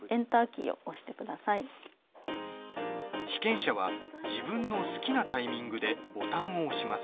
被験者は、自分の好きなタイミングでボタンを押します。